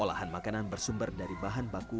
olahan makanan bersumber dari bahan baku